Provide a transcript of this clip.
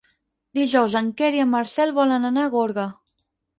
Dijous en Quer i en Marcel volen anar a Gorga.